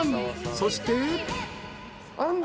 ［そして］